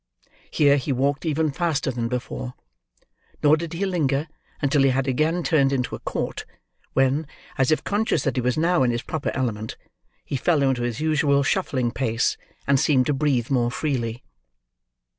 Here he walked even faster than before; nor did he linger until he had again turned into a court; when, as if conscious that he was now in his proper element, he fell into his usual shuffling pace, and seemed to breathe more freely.